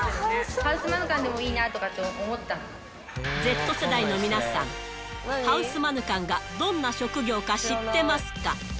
ハウスマヌカンでもいいかなＺ世代の皆さん、ハウスマヌカンがどんな職業か知ってますか。